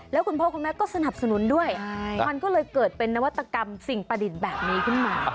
แล้วคุณพ่อคุณแม่ก็สนับสนุนด้วยมันก็เลยเกิดเป็นนวัตกรรมสิ่งประดิษฐ์แบบนี้ขึ้นมา